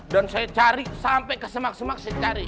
dan saya cari sampai kesemak semak saya cari